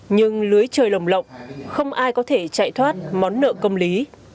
nhưng lưới trời lồng lộng không ai có thể chạy thoát món nợ công lý